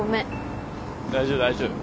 大丈夫大丈夫。